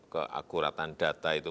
keakuratan data itu